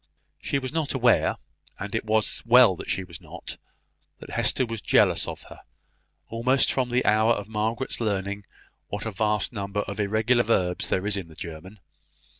She was not aware, and it was well that she was not, that Hester was jealous of her, almost from the hour of Margaret's learning what a vast number of irregular verbs there is in the German.